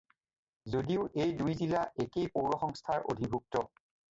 যদিও এই দুই জিলা একেই পৌৰসংস্থাৰ অধিভুক্ত।